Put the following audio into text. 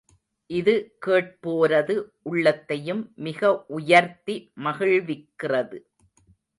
இது கேட்போரது உள்ளத்தையும் மிக உயர்த்தி மகிழ்விக்கிறது.